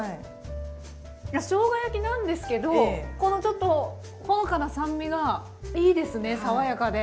しょうが焼きなんですけどこのちょっとほのかな酸味がいいですね爽やかで。